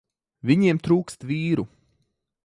Viņiem trūkst vīru.